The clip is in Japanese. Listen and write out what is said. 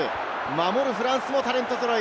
守るフランスもタレント揃い。